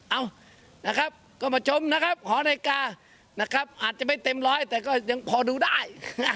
เอ้านะครับก็มาชมนะครับหอนาฬิกานะครับอาจจะไม่เต็มร้อยแต่ก็ยังพอดูได้